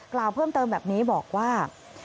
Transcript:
กล่าวเพิ่มเติมแบบนี้บอกว่า